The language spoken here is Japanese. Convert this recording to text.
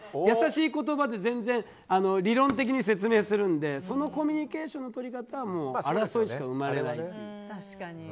優しい言葉で全然理論的に説明するのでそのコミュニケーションの取り方は争いしか生まれない。